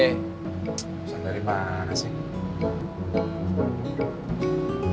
nyusahin dari mana sih